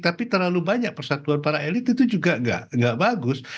tapi terlalu banyak persatuan para elit itu juga nggak bagus